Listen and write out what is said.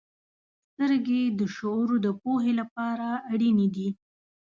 • سترګې د شعور د پوهې لپاره اړینې دي.